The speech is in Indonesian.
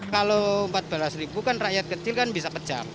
kalau empat belas ribu kan rakyat kecil kan bisa pecah